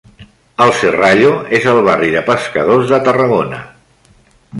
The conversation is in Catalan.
El Serrallo és el barri de pescadors de Tarragona.